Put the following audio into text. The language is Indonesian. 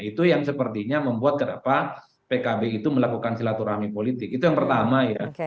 itu yang sepertinya membuat kenapa pkb itu melakukan silaturahmi politik itu yang pertama ya